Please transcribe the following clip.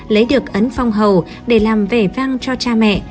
lấy được ấn phong hầu để làm vẻ vang cho cha mẹ